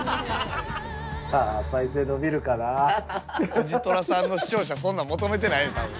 おじとらさんの視聴者そんなん求めてないで多分。